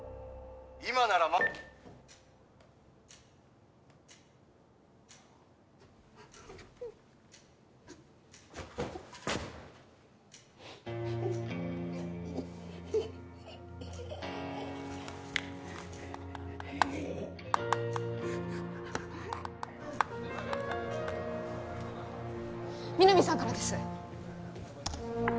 今ならま皆実さんからです